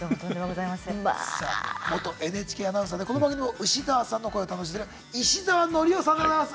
さあ元ＮＨＫアナウンサーでこの番組でもウシ澤さんの声を担当してる石澤典夫さんでございます。